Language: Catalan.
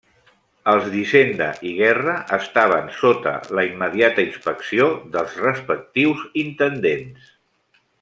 Els d'hisenda i guerra estaven sota la immediata inspecció dels respectius intendents.